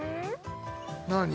何？